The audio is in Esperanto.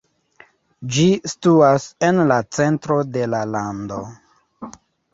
Ĝi situas en la centro de la lando.